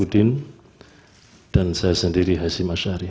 dan saya sendiri hasim asyari